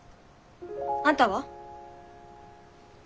あんたは？